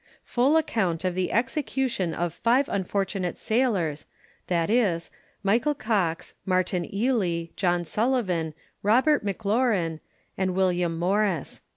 FULL ACCOUNT OF THE EXECUTION OF FIVE UNFORTUNATE SAILORS, VIZ., MICHAEL COX, MARTIN EALEY, JOHN SULLIVAN, ROBERT M'LAURIN, and WILLIAM MORRIS.